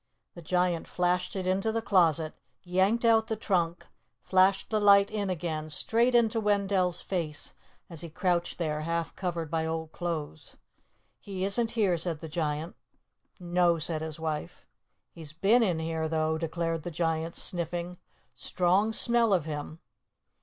The Giant flashed it into the closet, yanked out the trunk, flashed the light in again, straight into Wendell's face, as he crouched there half covered by old clothes. "He isn't here," said the Giant. "No," said his wife. "He's been in here, though," declared the Giant, sniffing. "Strong smell of him."